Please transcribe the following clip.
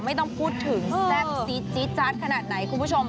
ไม่ต้องพูดถึงแซ่บซีดจี๊ดจาดขนาดไหนคุณผู้ชม